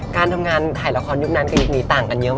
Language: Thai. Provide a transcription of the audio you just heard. การทำงานถ่ายละครยุคนั้นกับยุคนี้ต่างกันเยอะมาก